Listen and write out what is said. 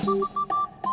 saya juga ngantuk